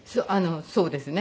そうですね。